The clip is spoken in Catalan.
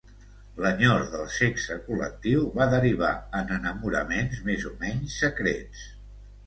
L'enyor del sexe col·lectiu va derivar en enamoraments més o menys secrets.